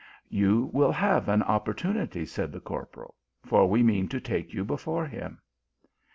"You will have an opportunity," said the cor poral, "for we mean to take you before him."